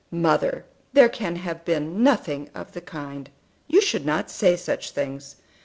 "Mother, there can have been nothing of the kind. You should not say such things.